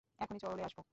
এখনি চলে আসবো।